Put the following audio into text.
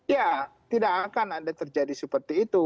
ya tidak akan ada terjadi seperti itu